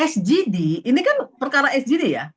sgd ini kan perkara sgd ya